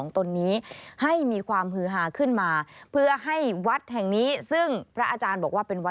พระอาจารย์ก็มีเนื้อคิดว่า